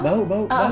bau bau bau